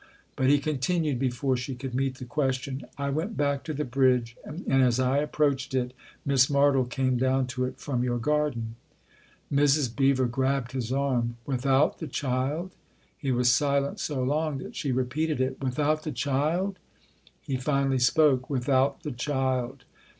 But he continued before she could meet the question :" I went back to the bridge, and as I approached it Miss Martle came down to it from your garden." Mrs. Beever grabbed his arm. " Without the child ?" He was silent so long that she repeated it: "Without the child?" He finally spoke. "Without the child."